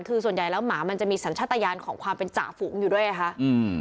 คือส่วนใหญ่แล้วหมามันจะมีสัญชาติยานของความเป็นจ่าฝูงอยู่ด้วยไงคะอืม